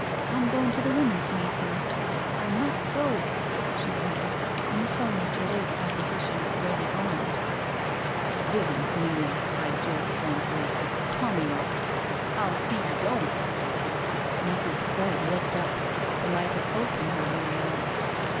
... I'm goin' to the women's meeting— I must go," she added, in the tone which awaits opposition ready armed. "Women's meeting I " cried Joe scornfully. "Tommy rot I y\l see you do^'tt" 64 NO SURRENDER Mrs. Clegg looked up, the light of hope in her weary eyes.